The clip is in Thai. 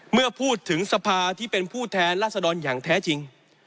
เมื่อพูดถึงสภาที่เป็นผู้แทนราษฎรอย่างแท้จริง